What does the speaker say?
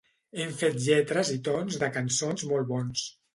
Hem fet lletres i tons de cançons molt bons.